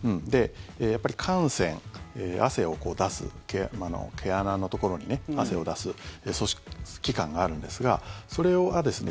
やっぱり汗腺、汗を出す毛穴のところに汗を出す器官があるんですがそれはですね